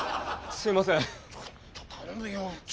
すいません。